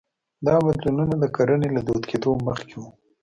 دا بدلونونه د کرنې له دود کېدو مخکې وو